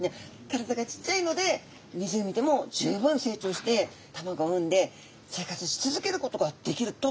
体がちっちゃいので湖でも十分成長して卵を産んで生活し続けることができると考えられています。